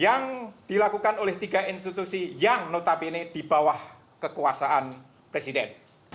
yang dilakukan oleh tiga institusi yang notabene di bawah kekuasaan presiden